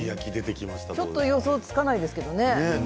ちょっと予想がつかないですけどね。